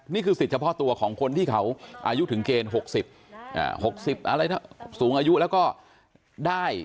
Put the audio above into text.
นี่คือสิทธิ์เฉพาะตัวของคนที่เขาอายุถึงเกณฑ์๖๐๖๐อะไรสูงอายุแล้วก็ได้